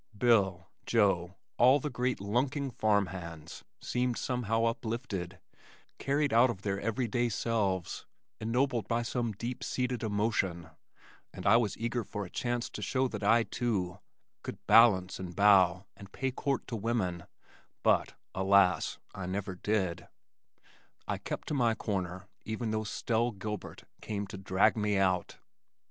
Bill, Joe, all the great lunking farm hands seemed somehow uplifted, carried out of their everyday selves, ennobled by some deep seated emotion, and I was eager for a chance to show that I, too, could balance and bow and pay court to women, but alas, I never did, I kept to my corner even though Stelle Gilbert came to drag me out.